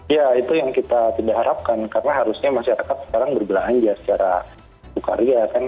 ya itu yang kita tidak harapkan karena harusnya masyarakat sekarang berbelanja secara sukaria kan